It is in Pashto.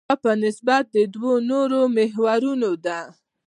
دا په نسبت د دوو نورو محورونو ده.